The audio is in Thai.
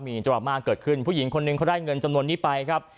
ดราม่าเกิดขึ้นผู้หญิงคนหนึ่งเขาได้เงินจำนวนนี้ไปครับ